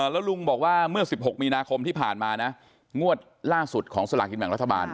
แล้วลุงบอกว่าเมื่อ๑๖มีนาคมที่ผ่านมานะงวดล่าสุดของสลากินแบ่งรัฐบาล